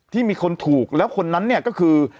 ที่มีคนถูกแล้วคนนั้นเนี่ยก็คือ